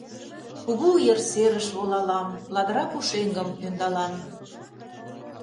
Кугу ер серыш волалам, Ладыра пушеҥгым ӧндалам.